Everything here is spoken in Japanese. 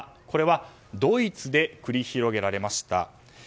これはドイツで繰り広げられました。